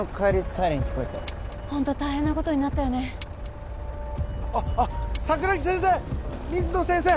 サイレン聞こえてホント大変なことになったよねあっあっ桜木先生水野先生